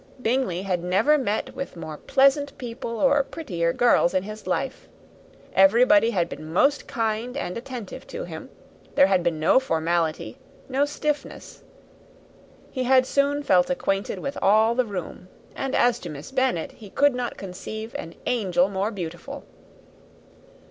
Bingley had never met with pleasanter people or prettier girls in his life; everybody had been most kind and attentive to him; there had been no formality, no stiffness; he had soon felt acquainted with all the room; and as to Miss Bennet, he could not conceive an angel more beautiful.